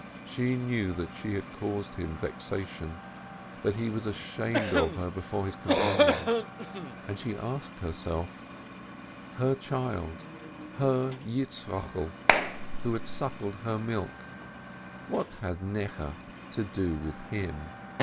She knew that she had caused him vexation, that he was ashamed of her before his com panions. And she asked herself : Her child, her Yitzchokel, who had sucked her milk, what had Necheh to do with him